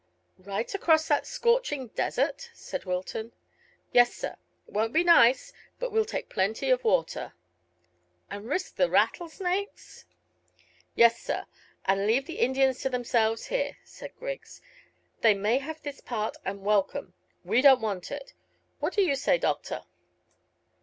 "Right across that scorching desert?" said Wilton. "Yes, sir. It won't be nice, but we'll take plenty of water." "And risk the rattlesnakes?" "Yes, sir, and leave the Indians to themselves here," said Griggs. "They may have this part and welcome. We don't want it. What do you say, doctor?"